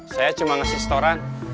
saya cuma ngasih setoran